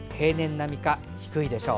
並みか低いでしょう。